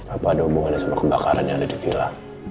apa ada hubungannya sama kebakaran yang ada di kilang